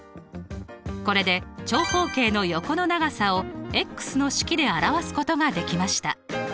これで長方形の横の長さをの式で表すことができました。